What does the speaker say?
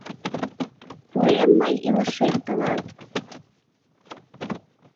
Пуэм мый илышем тылат.